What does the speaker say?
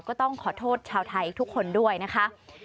ก็ต้องขอโทษชาวไทยทุกคนด้วยนะคะ